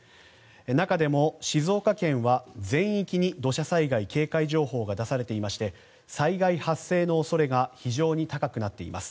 中でも静岡県は、全域に土砂災害警戒情報が出されていまして災害発生の恐れが非常に高くなっています。